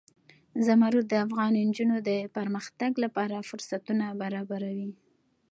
زمرد د افغان نجونو د پرمختګ لپاره فرصتونه برابروي.